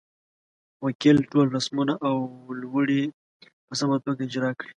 وکیل ټول رسمونه او لوړې په سمه توګه اجرا کړې.